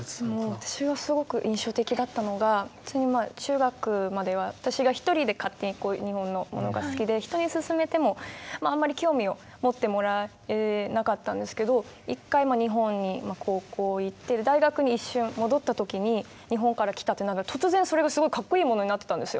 私はすごく印象的だったのが中学までは私が一人で勝手に日本のものが好きで人に薦めてもあまり興味を持ってもらえなかったんですけど一回日本にまあ高校行って大学に一瞬戻った時に日本から来たって突然それがすごいかっこいいものになってたんですよ。